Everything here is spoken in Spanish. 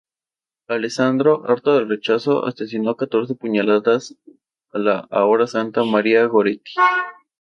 Alessandro, harto del rechazo, asesinó de catorce puñaladas a la ahora Santa, Maria Goretti.